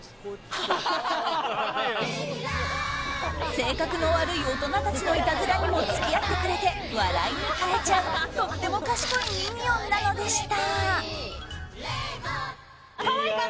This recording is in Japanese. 性格の悪い大人たちのいたずらにも付き合ってくれて笑いに変えちゃうとっても賢いミニオンなのでした。